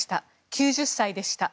９０歳でした。